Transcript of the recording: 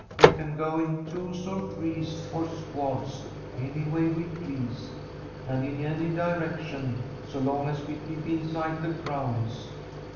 We can go in twos or threes or squads, any way we please, and in any direction, so long as we keep inside the grounds.